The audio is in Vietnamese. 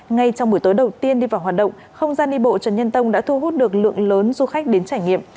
ngay trong buổi tối đầu tiên đi vào hoạt động không gian đi bộ trần nhân tông đã thu hút được lượng lớn du khách đến trải nghiệm